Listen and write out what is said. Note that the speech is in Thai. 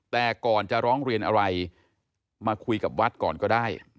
แต่ก่อนจะร้องเรียนอะไรมาคุยกับวัดก่อนก็ได้